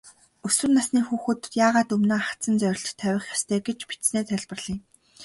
Өсвөр насны хүүхэд яагаад өмнөө ахадсан зорилт тавих ёстой гэж бичсэнээ тайлбарлая.